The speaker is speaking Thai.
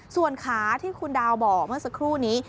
ส่วนขาที่คุณดาวบอกเมื่อสักครู่นี้